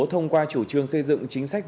thông qua chủ trương xây dựng chính sách